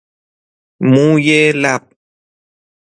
موی لب